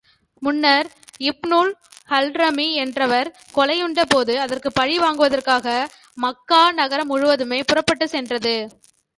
முன்னர், இப்னுல் ஹல்ரமி என்பவர் கொலையுண்ட போது அதற்குப் பழி வாங்குவதற்காக மக்கா நகரம் முழுவதுமே புறப்பட்டுச் சென்றது.